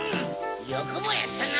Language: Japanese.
よくもやったな！